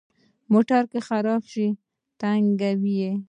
موټر که خراب شي، تنګوي.